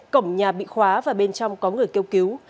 cổng nhà bị khóa và bên trong có người kêu cứu